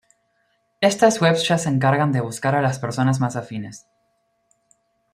Estas webs ya se encargan de buscar a las personas más afines.